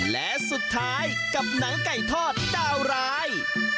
และสุดท้ายกับหนังไก่ทอดดาวร้าย